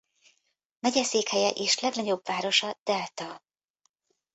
Megyeszékhelye és legnagyobb városa Delta.